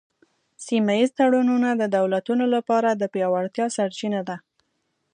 سیمه ایز تړونونه د دولتونو لپاره د پیاوړتیا سرچینه ده